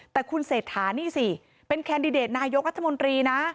แต่คุณเศรษฐานี่สิเป็นแคนดิเดตนายกรัฐมนตรีนะ